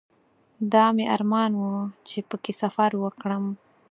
دا مې ارمان و چې په کې سفر وکړم.